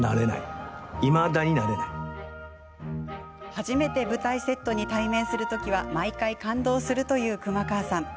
初めて舞台セットに対面する時は毎回、感動するという熊川さん。